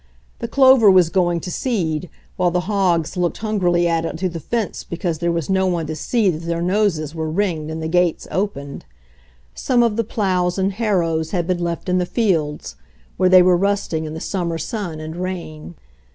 The clover was going to seed, while the hogs looked hungrily at it through the fence because there was no one to see that their noses were ringed and the gates opened. Some of the plows and harrows had been left in the fields, where they were rusting in the summer sun and rain.